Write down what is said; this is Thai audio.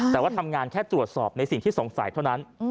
แต่ว่าทำงานแค่ตรวจสอบในสิ่งที่สงสัยเท่านั้น